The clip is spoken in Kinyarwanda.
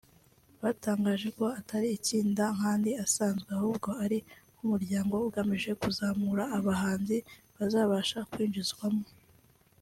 batangaje ko atari itsinda nk’andi asanzwe ahubwo ko ari nk’umuryango ugamije kuzamura abahanzi bazabasha kwinjizwamo